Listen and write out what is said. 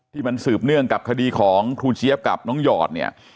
ที่มันสืบเนื่องกับคดีของครูเจี๊ยบกับน้องหยอดเนี่ย